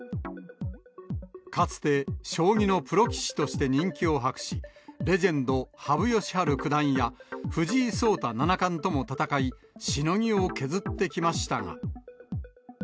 かつて将棋のプロ棋士として人気を博し、レジェンド、羽生善治九段や、藤井聡太七冠とも戦い、しのぎを削ってきましたが。